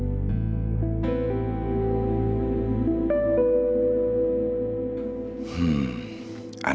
aku mau jemput kamu ke rumah